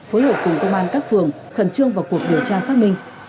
phối hợp cùng công an các phường khẩn trương vào cuộc điều tra xác minh